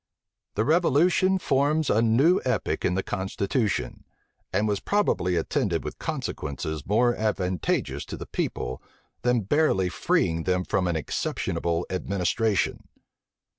The revolution forms a new epoch in the constitution; and was probably attended with consequences more advantageous to the people, than barely freeing them from an exceptionable administration.